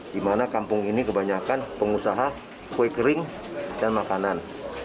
di mana kampung ini kebanyakan pengusaha kue kering dan makanan